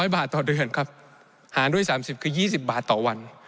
๐บาทต่อเดือนครับหารด้วย๓๐คือ๒๐บาทต่อวัน